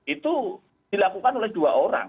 itu dilakukan oleh dua orang